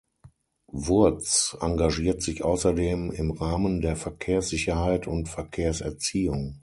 Wurz engagiert sich außerdem im Rahmen der Verkehrssicherheit und Verkehrserziehung.